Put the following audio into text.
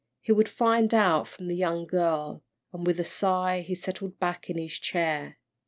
He would find out from the young girl, and with a sigh he settled back in his chair.